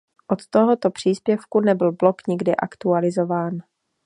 Od tohoto příspěvku nebyl blog nikdy aktualizován.